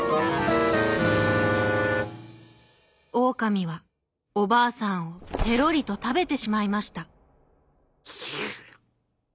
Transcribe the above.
オオカミはおばあさんをペロリとたべてしまいました。